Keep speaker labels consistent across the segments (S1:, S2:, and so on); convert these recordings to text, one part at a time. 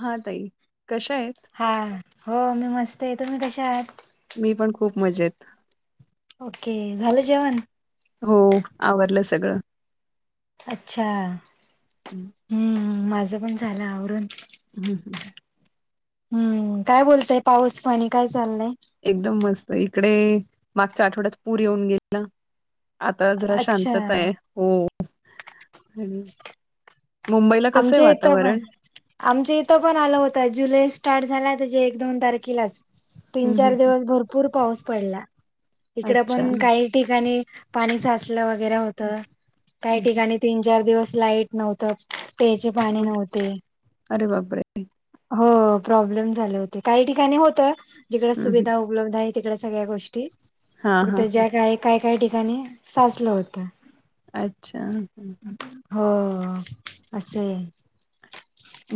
S1: हा ताई कशा आहेत?
S2: हा हो मी मस्त आहे, तुम्ही कशा आहात?
S1: मी पण खूप मजेत.
S2: ओके, झालं जेवण?
S1: हो आवरलं सगळं.
S2: अच्छा!
S1: हम्म!
S2: हम्म, माझं पण झालं आवरून.
S1: हम्म बरं!
S2: हम्म काय बोलतय पाऊस पाणी काय चाललंय?
S1: एकदम मस्त इकडे मागच्या आठवड्यात पूर येऊन गेल. आता जरा
S2: अच्छा
S1: शांतता आहे हो. मुंबईला कसं आहे
S2: आमच्या इथं पण
S1: वातावरण.
S2: आमच्या इथं पण आलं होतं जुलै स्टार्ट झाला त्याच्या एक दोन तारखेलाच. तीन
S1: हं, हं,
S2: चार
S1: हं.
S2: दिवस भरपूर पाऊस पडला इकड
S1: अच्छा.
S2: पण
S1: हं,
S2: काही ठिकाणी पाणी साचलं वगैरे होत काही
S1: हं.
S2: ठिकाणी तीन चार दिवस लाईट नव्हत, प्यायचे पाणी
S1: अ,
S2: नव्हते,
S1: अरे बापरे!
S2: हो प्रॉब्लेम झाले होते. काही ठिकाणी होत जिकड
S1: हं, हं.
S2: सुविधा उपलब्ध आहे तिकड सगळ्या गोष्टी
S1: हां,
S2: फक्त
S1: हां, हां.
S2: ज्या काय काय काय ठिकाणी साचलं होतं.
S1: अच्छा हम हम.
S2: हो असं.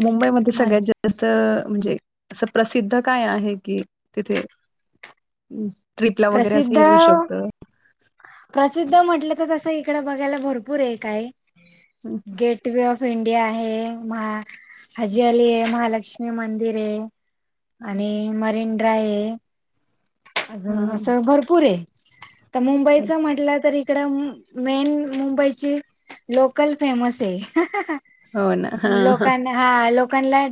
S1: मुंबईमध्ये सगळ्या जास्त म्हणजे असं प्रसिद्ध काय आहे की तिथे, ट्रिपला वगैरे असं
S2: प्रसिद्ध
S1: येऊ शकतं.
S2: प्रसिद्ध म्हटलं तर तसं इकड बघायला भरपूर एक काय
S1: हं,
S2: gate gate way of India आहे, हजी अली आहे, महालक्ष्मी लक्ष मंदिर आहे, आणि मरीनड्राय आहे. अजून
S1: हां, हां.
S2: असं भरपूर आहे तर मुंबईच म्हटलं त इकडं मेन मुंबईची लोकल फेमस आहे.
S1: हो ना.
S2: मु
S1: हां, हां,
S2: लोकांना. हा लोकांना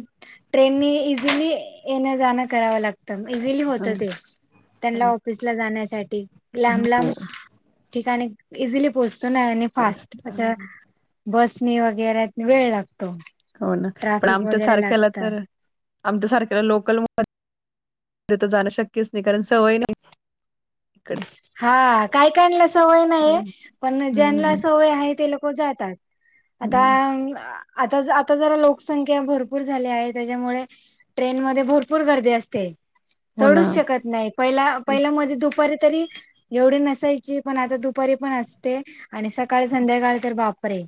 S2: ट्रेननी इझिली येण्या जाणं करावं लागतं. म इझिली
S1: हां.
S2: होतं ते, त्यांना ऑफिसला जाण्यासाठी लांब लांब
S1: हो
S2: ठिकाणी इझिली पोहोचतो ना आणि फास्ट
S1: पोस्ट
S2: असं बसने वगैर वेळ लागतो.
S1: हो ना पण
S2: ट्राफिक
S1: आमच्या
S2: वगैरे
S1: सारख्याला
S2: लागत
S1: तर आमच्या सारख्याला लोकल तर जाणं शक्यच नाही कारण सवय नाही‌.
S2: हा काही काला सवय नाही
S1: हम्म,
S2: पण ज्यांना सवय आहे ते लोक जातात. आता
S1: हम्म.
S2: आता आता जरा लोकसंख्या भरपूर झाली आहे त्याच्यामुळे ट्रेन मध्ये भरपूर गर्दी असते
S1: हो ना
S2: चढूच शकत नाही पहिला पहिला मध्ये दुप तरी एवढी नसायची पण आता दुपारी पण असते. आणि सकाळी संध्याकाळ तर बापरे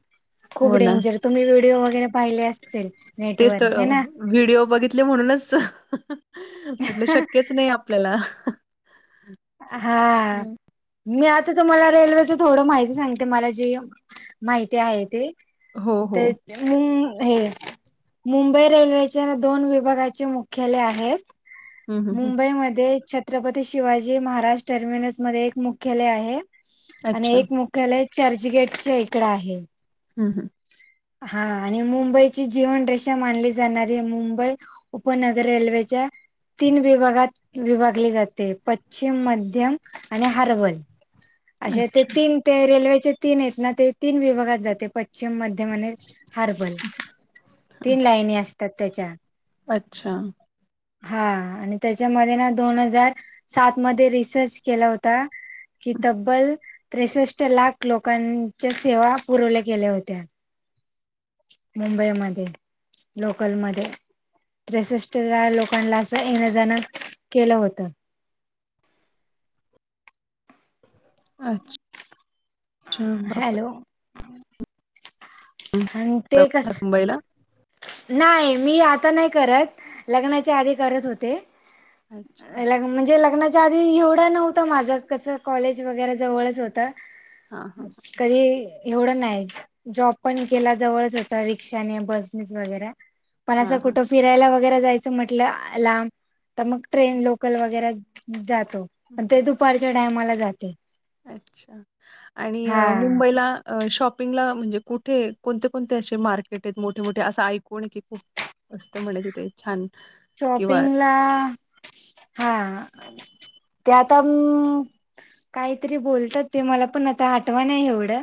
S2: खूप
S1: हो ना
S2: डेंजर तुम्ही व्हिडिओ वगैरे पाहिले अस ल नाही‌
S1: तेच तर व्हिडिओ बघितले म्हणूनच म्हटलं शक्यच नाही आप आपल्याला.
S2: हा. मी आता तुम्हाला रेल्वेच थोडं माहिती सांगते मला जे माहिती आहे ते,
S1: हो हो
S2: ते ह्म्म्मु हे मुंबई रेल्वेच्या दोन विभागाचे मुख्यालय आहे.
S1: हम्म, हम्म, हम्म.
S2: मुंबईमध्ये छत्रपती शिवाजी महाराज टर्मिनसमध्ये एक मुख्यालय आहे. आणि
S1: अच्छा
S2: एक मुख्यालय चर्चगेटच इकड आहे.
S1: हम हम.
S2: हा आणि मुंबईची जीवन रे षा मानली जाणारी मुंबई. उपनगर रेल्वेच्या तीन विभागात विभागले जाते पश्चिम मध्यम आणि हर्बल. अशां ते
S1: अच्छा
S2: तीन, ते रेल्वेचे तीन आहेत ना, ते तीन विभागात जाते पश्चिम मध्ये टेमने हार्बल, तीन लाईनी असतात त्याच्या
S1: अच्छा!
S2: हा, आणि त्याच्यामध्ये ना दोन हजार सात मध्ये रिसर्च केला होता. की तब्बल त्रेसष्ट लाख लोकांच्या सेवा पुरवल्या, गेल्या होत्या. मुंबईमध्ये, लोकलमध्ये त्रेसष्ट ला लोक पनला असं येण्यांजणं केलं होतं.
S1: अच्छ, अच्छा! बापरे!
S2: हॅलो
S1: हम्म.
S2: आणि ते कस
S1: प्रवास मुंबईला
S2: नाही मी आता नाही करत, लग्नाच्या आधी करत होते.
S1: अच्छा
S2: लग्न म्हणजे लग्ना च्याआधी एवढं नव्हतं माझं, कसं कॉलेज वगैरे जवळच होत.
S1: हा हा हा
S2: कधी एवढं नाही जॉब पण, केला जवळच होता, रिक्षाने बस [inaudible] इज वगैरेये, पण अस
S1: हा हा.
S2: कुठं फिरायला वगैरे जायचं म्हटलं लांब, तर मग ट्रेन लोकल वगैरे जातो. ते दुपारच्या टायमाला जाते.
S1: अच्छा! आणि
S2: हा
S1: मुंबईला अ शॉपिंगला म्हणजे कुठे कोणते, कोणते, असे मार्केट आहेत, मोठे मोठे असं ऐकून की खूप असतं म्हण तिथे छान किंवा
S2: शॉपिंगला हा, ते आताम्म काहीतरी बोलतात ते मला, पण आता अटवाना नाही एवढं,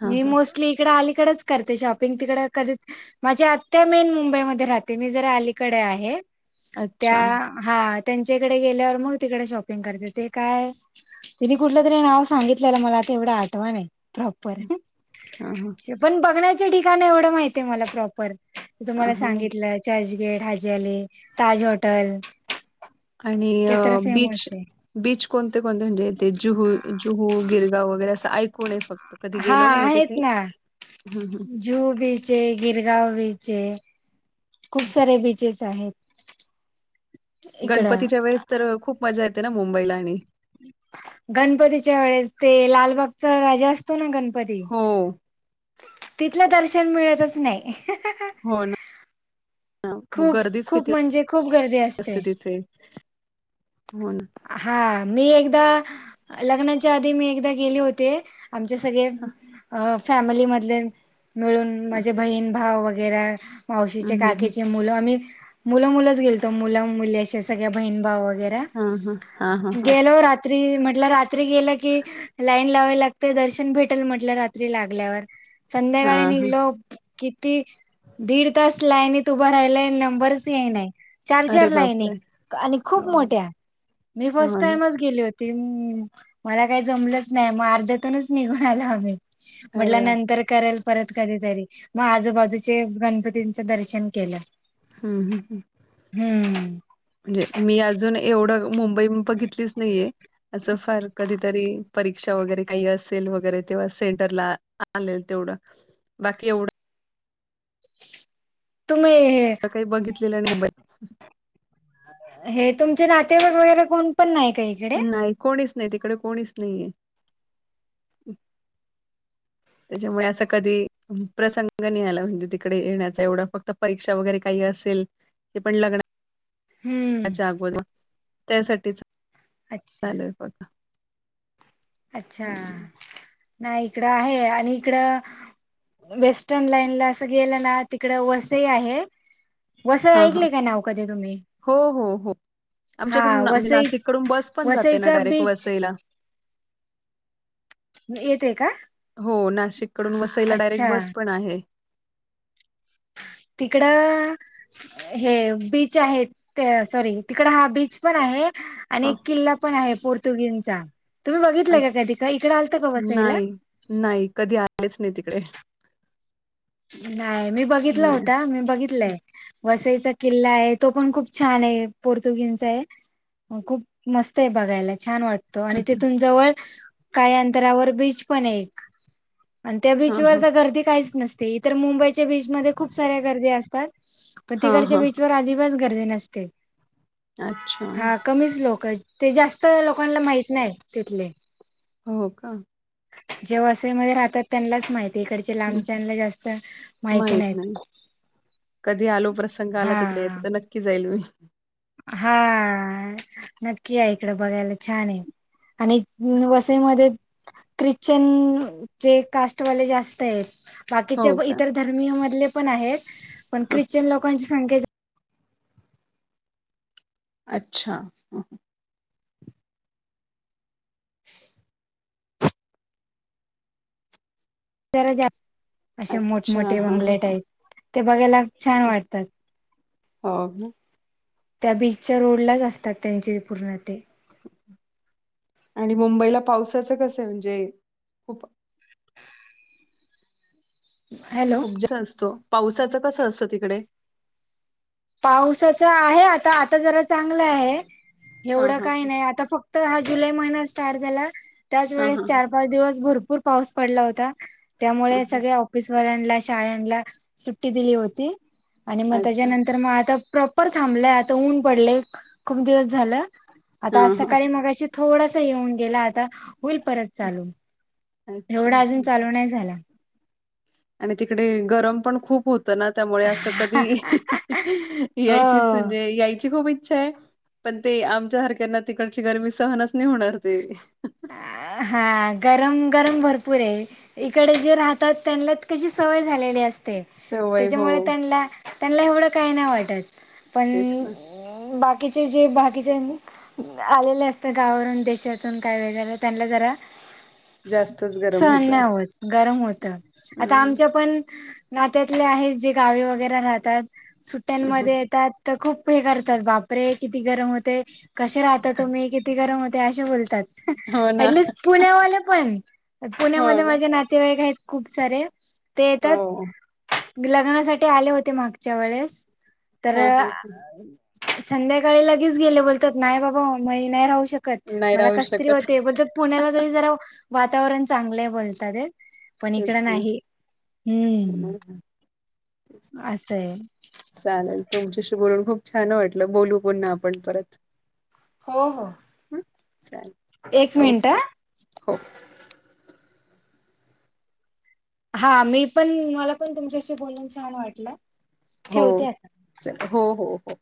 S1: हां,
S2: मी
S1: हां.
S2: मो ती इकडअलीकडंच करते शॉपिंग, तिकडं कधी माझी आत्या मेन मुंबईमध्ये राहते, मी जरा, अलीकडे आहे, त्या
S1: अच्छा.
S2: हा, त्यांच्याकडे गेल्यावर, मग तिकडे शॉपिंग करते, ते काय तिने कुठलं तरी नाव सांगितलेलं मला, ते एवढं आठवाणय. प्रॉपर,
S1: हां, हां.
S2: पण बघण्याचे ठिकाण, एवढं माहती आहे मला प्रॉपर.
S1: हां,
S2: तुम्हाला
S1: हां.
S2: सांगितलं चर्चगेट, हाजी अली, ताज हॉटल.
S1: आणि बीच, बीच कोणते कोणते म्हणजे, ते जुहू जुहू, गिरगाव वगैरे असं, ऐकून ये फक्त, कधी
S2: हा
S1: गेलो नाहीे तिथे, हम हम.
S2: जुह बीच ये, गिरगाव बीच ये, खूप सारे बीचेस आहेत. इकडं
S1: गणपतीच्या वेळेस तर खूप मजा येते, ना मुंबईला आणि
S2: गणपतीच्या वेळेस, ते लालबागचा राजा असतो ना, गणपती.
S1: हो.
S2: तिथलं दर्शन मिळतच नाही.
S1: हो ना
S2: अ [inaudible]
S1: मग
S2: खूप
S1: गर्दीच
S2: खूप
S1: किती
S2: म्हणजे, खूप गर्दी असते.
S1: हो ना.
S2: हा, मी एकदा, लग्नाच्या आधी मी एकदा गेले होते. आमचे सगळे अ फॅमिली मधले मिळून,
S1: हां.
S2: माझे बहीण भाव वगैरा,
S1: हं,
S2: मावशीचे का
S1: हं, हं.
S2: मुलं आम्ही, मुलं मुलं गेलतो, मुल-मुली अशे सगळ्या बहीण भाव वगैरे
S1: हां, हां. हां, हां, हां.
S2: गेलो रात्री, म्हटल रात्री गेल की, लाईन लावाला ते दर्शन भेटेल म्हटलं रात्री लागल्यावर, संध्याकाळी
S1: हां, हां.
S2: निघलो किती दीड तास लाईनीत उभं राहिलय नंबरच येईनाय चार,
S1: अरे
S2: चार लाईन
S1: बापरे!
S2: आहे आणि खूप
S1: हो,
S2: मोठ्या मी फर्स्ट
S1: हो ना.
S2: टाइमच गेले होते ते मला काही जमलंच नाही मग अर्ध्यातूनच निघून आलो आम्ही म्हटल
S1: अरे बाप!
S2: नंतर करेल परत कधीतरी मग आजूबाजूचे गणपतीचे दर्शन केलाय
S1: ह, ह म्हणजे मी अजून एवढं मुंबई मी बघितलीच नाहीये असं फार कधी तरी परीक्षा वगैरे काही असेल वगैरे तेव्हा सेंटरला आलेल तेवढं बाकी एवढ
S2: तुम्ही हे
S1: हे बघितलेलं आणि मुंबई
S2: हे तुमचे नातेवाईक वगैरे कोण पण नाही काही
S1: नाही कोणीच नाही तिकडे कोणीच नाहीये त्याच्यामुळे असं कधी प्रसंग नाही आला म्हणजे तिकडे येण्याचा एवढा फक्त परीक्षा वगैरे काही असेल ते पण लग्न
S2: हम्म
S1: च्या अगोदर त्यासाठीच
S2: अच्छा
S1: चालूय बघा
S2: अच्छा
S1: हं.
S2: नाही इकडं आहे आणि इकडं वेस्टर्न लाईन ला असं गेलं ना तिकड वसई आहे वसई
S1: हां, हां.
S2: ऐकले काय नाव कधी तुम्ही?
S1: हो, हो, हो.
S2: हा
S1: आमच्याकडून ना म्हणजे
S2: वसई,
S1: नाशिककडून बस पण जाते ना
S2: वसईचा
S1: डायरेक्ट
S2: बीच
S1: वसईला.
S2: येते का
S1: हो नाशिक कडून वसईला डायरेक्ट
S2: अच्छा
S1: बस पण आहे
S2: तिकडं हे बीच आहे ते सॉरी तिकड हा बीच पण आहे आणि
S1: हां,
S2: एक किल्ला पण आहे पोर्तुगीजचा तुम्ही
S1: अ,
S2: बघितला का काय इकडें आलतं का वसाईला
S1: नाही, नाही कधी आलेच नाही तिकडे
S2: नाही मी बघितला
S1: नाही.
S2: होता मी बघितलंय वसईचा किल्ला आहे तो पण खूप छान आहे पोर्तुगीजचा आहे हो खूप मस्त आहे बघायला छान वाट आणि तेिथून जवळ काही अंतरावर बीच पण आहे एक आणि त्या
S1: हां,
S2: बीचवर
S1: हां.
S2: तर गर्दी काहीच नसते तर मुंबईच्या बीच मध्ये खूप साऱ्या गर्दी असतात पण
S1: हां,
S2: तिकडच्या
S1: हां.
S2: बीच वर अजिबात गर्दी नसते
S1: अच्छा.
S2: हा कमीच लोक आहेत ते जास्त लोकांना माहत नाहीत तिथले
S1: हो का
S2: जे वसईमध्ये राहतात त्यांनाच माहिती इकडच्या लांबच्याना जास्त माहिती
S1: माहित
S2: नाहीत
S1: नाही कधी आलो प्रसंग आला
S2: हा
S1: तिकडे येत तर नक्की जाईल मी
S2: हा नक्की या इकड बघायला छान आहे आणि वसईमध्ये ख्रिश्चन चे कास्टवाले जास्त आहेत बाकीच्या
S1: हो का?
S2: इतर धर्मी मधले पण आहेत पण
S1: हां.
S2: ख्रिश्चन लोकांची संख्या जा
S1: अच्छा [inaudible]
S2: जरा जा असे
S1: अच्छा.
S2: मोठमोठे
S1: हां, हां,
S2: बंगले
S1: हां.
S2: टाईप ते बघायला छान वाटतात
S1: हो ना
S2: त्या बीचच्या रोडलाच असतात त्यांचे पूर्ण ते
S1: आणि मुंबईला पावसाचं कस आहे म्हणजे खूप
S2: हॅलो
S1: खूप जास्त असतो पावसाचं कसं असतं तिकडे?
S2: पावसाचं आहे आता आता जरा चांगलं आहे
S1: हां,
S2: एवढं
S1: हां.
S2: काही नाही आता फक्त हा जुलै महिना स्टार्ट झाला
S1: हां,
S2: त्याचवेळेस
S1: हां.
S2: चार पाच दिवस भरपूर पाऊस पडला होता.
S1: हां,
S2: त्यामुळे
S1: हां.
S2: सगळे ऑफिसवाल्यांना शाळांना सुट्टी दिली होती आणि मग
S1: अच्छा.
S2: त्याच्यानंतर तर मग आता प्रॉपर थांबलंय आता ऊन पडलेय. खूप दिवस झालं आता आज
S1: हां, हां.
S2: सकाळी मगाशी थोडासा येऊन गेला आता होईल परत. चालू
S1: अच्छा
S2: एवढा अजून
S1: हां.
S2: चालू नाही झाला.
S1: आणि तिकडे गरम पण खूप होत होत ना त्यामुळे असं कधी यायचीच
S2: हो
S1: म्हणजे यायची खूप इच्छा आहे पण ते आमच्या सारख्यांना तिकडची गरमी सहनच नाही होणार ती
S2: अ हा गरम गरम भरपूर हे. इकडे जे राहतात त्यांना कशी सवय झालेली अस ते
S1: सवय हो,
S2: त्याच्यामुळे त्यांनला त्यान्ला एवढं काही नाही वाटतं
S1: तेच ना.
S2: पण बाकीचे जे बाकीचे आलेले असत गावावरून देशातून काय वेळेला त्यांना जरा
S1: जास्तच गरम
S2: सहन नाही होतं गरम होतं आता
S1: हं,
S2: आमच्या पण नात्यातले आहेत. जे गावी वगैरे राहतात.
S1: हं.
S2: सुट्ट्यांमध्ये येतात. तर खूप हे करतात बापरे किती गरम होते. कशे राहता तुम्ही किती गरम होते असे बोलतात.
S1: हो ना,
S2: ऍटलिस्ट पुण्यावाले पण
S1: हो
S2: पुण्यामध्ये
S1: ना.
S2: माझ्या नातेवाईक आहेतं खूप सारे ते
S1: हो.
S2: येतातं लग्नासाठी आले होते मागच्या वेळेस तर
S1: हां, हां, हां.
S2: संध्याकाळी लगेच गेले. बोलतात नाही बाबा मी नाही राहू शकतं
S1: नाही
S2: मला
S1: राहू
S2: कसतरी
S1: शकत.
S2: होते बोल तात पुण्याला तरी जरा वातावरण चांगलं आहे बोलतात ते पण
S1: तेच
S2: इकडं
S1: ना.
S2: नाही
S1: हो
S2: हम्म,
S1: ना. तेच.
S2: असं आहे.
S1: चालेल तुमच्याशी बोलून खूप छान वाटलं बोलू पुन्हा आपण परत.
S2: हो हो.
S1: ह चालेल
S2: एक मिनिट
S1: ओके हो.
S2: हा मी पण मला पण तुमच्याशी बोलून छान वाटलं.
S1: हो
S2: ठेवते आता
S1: हो हो हो चल